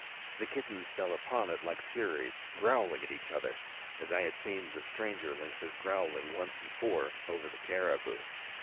The kittens fell upon it like furies, growling at each other, as I had seen the stranger lynxes growling once before over the caribou.